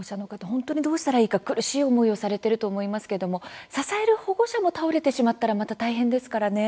本当にどうしたらいいか苦しい思いをされてると思いますけれども支える保護者も倒れてしまったらまた大変ですからね。